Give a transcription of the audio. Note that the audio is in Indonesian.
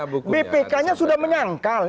bpknya sudah menyangkal